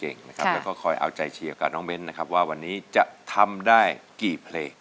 แล้วก็คอยเอาใจเชียร์กับน้องเบ้นนะครับว่าวันนี้จะทำได้กี่เพลง